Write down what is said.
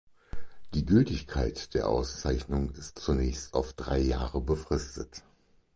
Die Gültigkeit der Auszeichnung ist zunächst auf drei Jahre befristet.